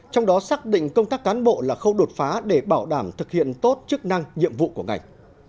trong đó xác định công tác cán bộ là khâu đột phá để bảo đảm thực hiện tốt chức năng nhiệm vụ của ngành